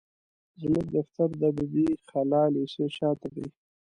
زموږ دفتر د بي بي خالا ليسي شاته دي.